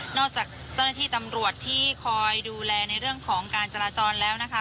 นอกจากเท่าไหร่ที่ตำรวจดูแลในเรื่องของการจราจรแล้วนะคะ